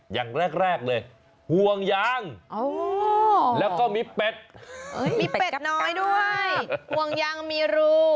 อย่างแรกเลยห่วงยางแล้วก็มีเป็ดมีเป็ดน้อยด้วยห่วงยางมีรู